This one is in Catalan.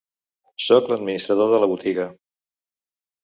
Soc l'administrador de la botiga.